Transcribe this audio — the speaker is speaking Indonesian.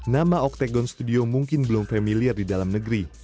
nama octagon studio mungkin belum familiar di dalam negeri